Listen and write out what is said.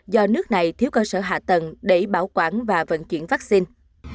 do nước này thiếu cơ sở hạ tầng để bảo quản và vận chuyển vaccine